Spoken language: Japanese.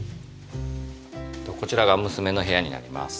こちらが娘の部屋になります。